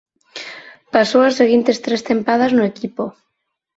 Pasou as seguintes tres tempadas no equipo.